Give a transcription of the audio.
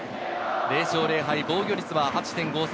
０勝０敗、防御率は８．５３。